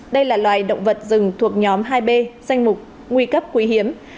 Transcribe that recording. đây là loài động vật rừng thuộc nhóm hai b danh mục nguy cấp quý hiếm